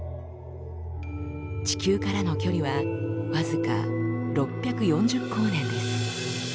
地球からの距離は僅か６４０光年です。